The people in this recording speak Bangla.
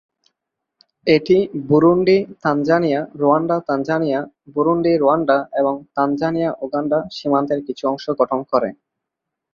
এটি বুরুন্ডি-তানজানিয়া, রুয়ান্ডা-তানজানিয়া, বুরুন্ডি-রুয়ান্ডা এবং তানজানিয়া-উগান্ডা সীমান্তের কিছু অংশ গঠন করে।